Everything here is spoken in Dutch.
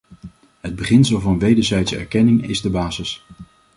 Het beginsel van wederzijdse erkenning is de basis.